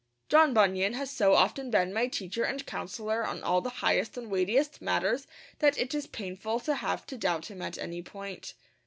John Bunyan has so often been my teacher and counsellor on all the highest and weightiest matters that it is painful to have to doubt him at any point.